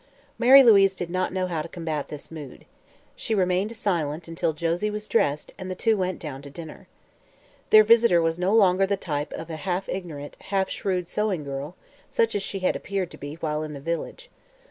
Mary Louise did not know how to combat this mood. She remained silent until Josie was dressed and the two went down to dinner. Their visitor was no longer the type of a half ignorant, half shrewd sewing girl, such as she had appeared to be while in the village.